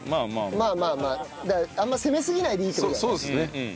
まあまあまああんま攻めすぎないでいいって事だよね。